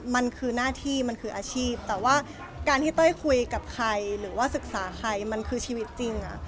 มันคือหน้าที่มันคืออาชีพแต่ว่าการที่เต้ยคุยกับใครหรือว่าศึกษาใครมันคือชีวิตจริง